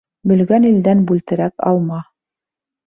Бөлгән илдән бүлтерәк алма.